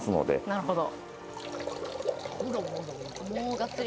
なるほど。